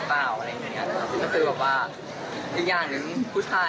แล้วเรามาอยู่ในหมู่ผู้ชายเราก็รู้สึกว่าเราเป็นผู้หญิงคนเดียวหรือเปล่า